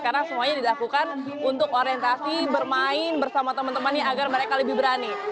karena semuanya dilakukan untuk orientasi bermain bersama teman temannya agar mereka lebih berani